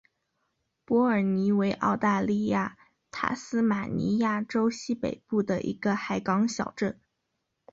伯尔尼为澳大利亚塔斯马尼亚州西北部的一个海港小镇。